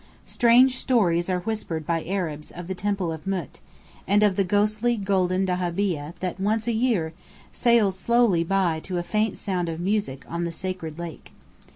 Strange stories are whispered by Arabs, of the Temple of Mût, and of the ghostly, golden dahabeah that, once a year, sails slowly by to a faint sound of music, on the Sacred Lake.